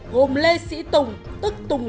gồm lê sĩ tùng tức tùng sáu